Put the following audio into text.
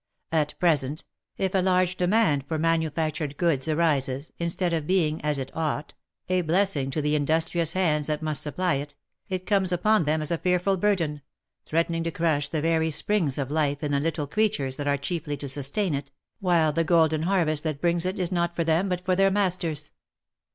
At present, if a large demand for manufactured goods arises, instead of being, as it ought, a blessing to the industrious hands that must supply it, it comes upon them as a fearful burden, threatening to crush the very springs of life in the little creatures that are chiefly to sustain it, while the golden harvest that it brings is not for them, but for their masters.